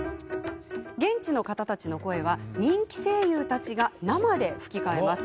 現地の方たちの声は人気声優たちが生で吹き替えます。